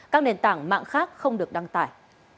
các nền tảng mạng khác không được đăng tải